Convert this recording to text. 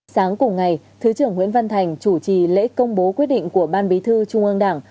sáng cùng ngày thứ trưởng nguyễn văn thành chủ trì lễ công bố quyết định của ban bí thư trung ương đảng